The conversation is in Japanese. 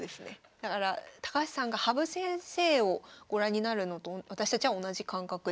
だから高橋さんが羽生先生をご覧になるのと私たちは同じ感覚で。